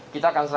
kita akan selesai